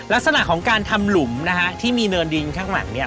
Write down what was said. ลักษณะของการทำหลุมนะฮะที่มีเนินดินข้างหลังเนี่ย